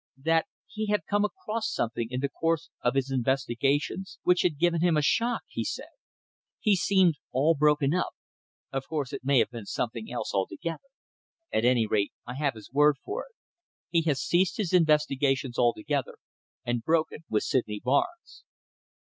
"That he had come across something in the course of his investigations which had given him a shock," he said. "He seemed all broken up. Of course, it may have been something else altogether. At any rate, I have his word for it. He has ceased his investigations altogether, and broken with Sydney Barnes."